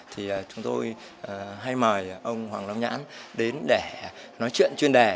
thì chúng tôi hay mời ông hoàng long nhãn đến để nói chuyện chuyên đề